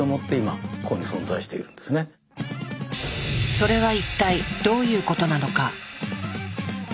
それは一体どういうことなのか。